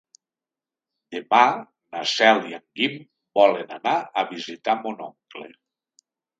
Demà na Cel i en Guim volen anar a visitar mon oncle.